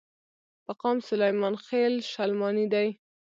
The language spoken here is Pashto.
پۀ قام سليمان خيل، شلمانے دے ۔